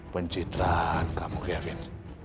pencitraan kamu gavin